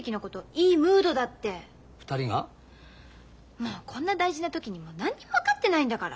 もうこんな大事な時に何にも分かってないんだから！